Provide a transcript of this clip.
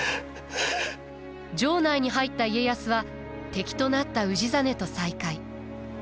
城内に入った家康は敵となった氏真と再会。